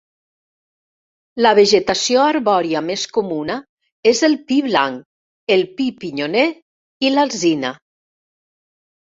La vegetació arbòria més comuna és el pi blanc, el pi pinyoner i l'alzina.